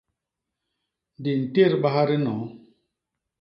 Di ntédbaha dinoo.